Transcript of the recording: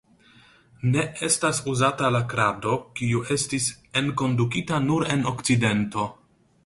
Ne estas uzata la krado, kiu estis enkondukita nur en Okcidento.